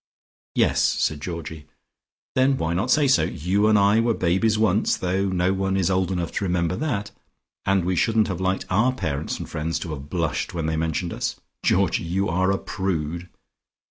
"Yes," said Georgie. "Then why not say so? You and I were babies once, though no one is old enough to remember that, and we shouldn't have liked our parents and friends to have blushed when they mentioned us. Georgie, you are a prude."